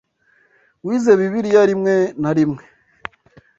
wize Bibiliya rimwe na rimwe.